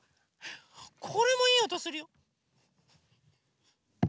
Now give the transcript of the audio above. これもいいおとするよ！